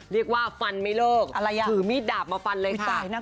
เรียกว่าฟันไม่เลิกถือมีดดาบมาฟันเลยค่ะ